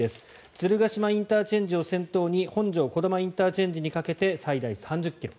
鶴ヶ島ＩＣを先頭に本庄児玉ＩＣにかけて最大３０ｋｍ。